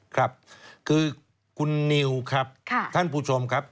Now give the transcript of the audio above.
ครับคือคุณนิวครับท่านผู้ชมครับ